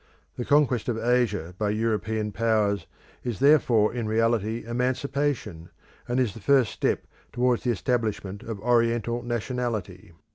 The conquest of Asia by European Powers is therefore in reality emancipation, and is the first step towards the establishment of Oriental nationality.